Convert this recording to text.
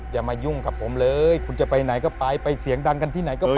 อย่ามายุ่งกับผมเลยคุณจะไปไหนก็ไปไปเสียงดังกันที่ไหนก็ไป